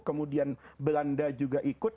kemudian belanda juga ikut